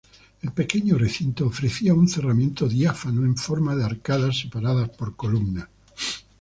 El pequeño recinto ofrecía un cerramiento diáfano en forma de arcadas separadas por columnas.